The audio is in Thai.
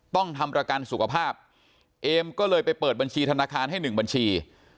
ต้องทำประกันสุขภาพเอมก็เลยไปเปิดบัญชีธนาคารให้หนึ่งบัญชี